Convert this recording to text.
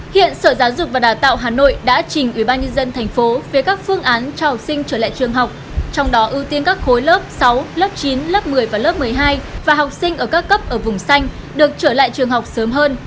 hiện sở giáo dục và đào tạo hà nội đã trình ủy ban nhân dân thành phố với các phương án cho học sinh trở lại trường học trong đó ưu tiên các khối lớp sáu lớp chín lớp một mươi và lớp một mươi hai và học sinh ở các cấp ở vùng xanh được trở lại trường học sớm hơn